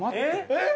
えっ？